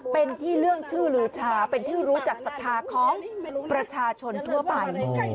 เป็นที่เรื่องชื่อลือชาเป็นที่รู้จักศรัทธาของประชาชนทั่วไป